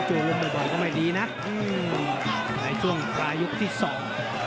อืมช่วงปลายุคที่สอง